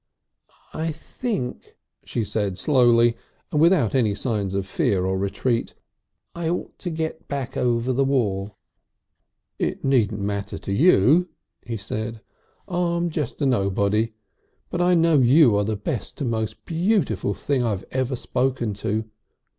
"I think," she said slowly, and without any signs of fear or retreat, "I ought to get back over the wall." "It needn't matter to you," he said. "I'm just a nobody. But I know you are the best and most beautiful thing I've ever spoken to."